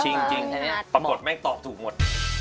จริงปรากฏแม่งตอบถูกหมด